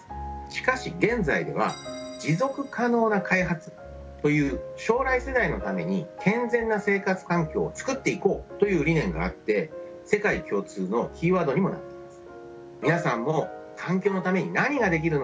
しかし現在では持続可能な開発という将来世代のために健全な生活環境をつくっていこうという理念があって世界共通のキーワードにもなっています。